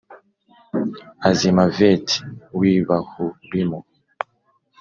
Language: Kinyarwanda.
Azimaveti w i bahurimu